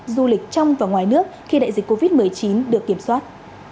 du lịch trong và ngoài nước khi đại dịch covid một mươi chín được kiểm soát